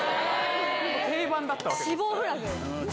定番だったわけですね。